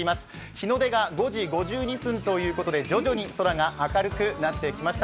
日の出が５時５２分ということで、徐々に空が明るくなってきました。